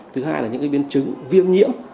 thứ hai là những cái biến chứng viêm nhiễm